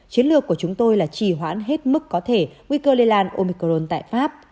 chiến lược của chúng tôi là trì hoãn hết mức có thể nguy cơ lây lan omicron tại pháp